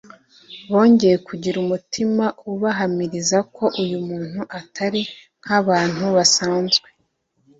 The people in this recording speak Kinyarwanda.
bongeye kugira umutima ubahamiriza ko uyu muntu atari nk’abantu basanzwe